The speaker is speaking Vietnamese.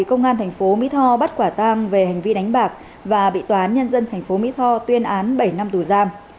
công an thành phố mỹ tho bắt quả tang về hành vi đánh bạc và bị toán nhân dân thành phố mỹ tho tuyên án bảy năm tù giam